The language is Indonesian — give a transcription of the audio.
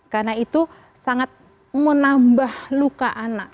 karena itu sangat menambah luka anak